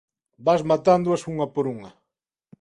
Vas matándoas unha por unha.